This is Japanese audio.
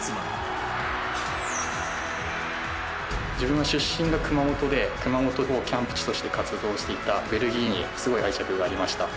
自分の出身が熊本で熊本をキャンプ地として活動していたベルギーにすごい愛着がありました。